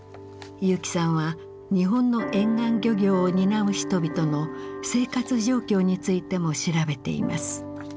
結城さんは日本の沿岸漁業を担う人々の生活状況についても調べています。